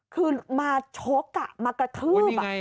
คือมาชกมากระทืบ